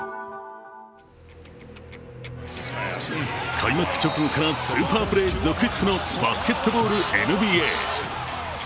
開幕直後からスーパープレー続出のバスケットボールＮＢＡ。